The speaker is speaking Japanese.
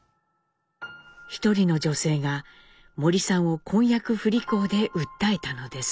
一人の女性が森さんを婚約不履行で訴えたのです。